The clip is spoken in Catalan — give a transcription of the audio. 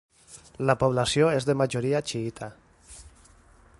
La població és de majoria xiïta.